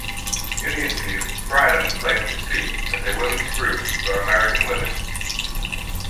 In the interview, Friedan claimed to speak as a women's group for American women.